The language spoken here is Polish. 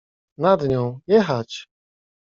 Nad nią — „jechać”.